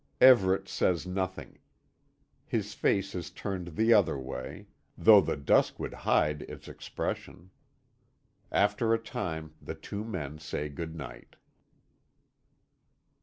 Everet says nothing. His face is turned the other way though the dusk would hide its expression. After a time the two men say good night.